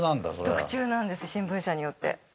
特注なんです新聞社によって。